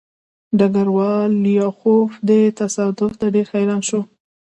ډګروال لیاخوف دې تصادف ته ډېر حیران شو